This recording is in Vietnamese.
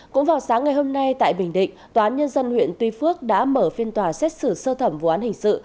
cũng vào sáng ngày hôm nay tại bình định tòa án nhân dân huyện tuy phước đã mở phiên tòa xét xử sơ thẩm vụ án hình sự